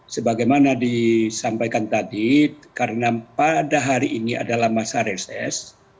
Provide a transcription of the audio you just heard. sebagaimana disampaikan tadi karena pada hari ini adalah masa reses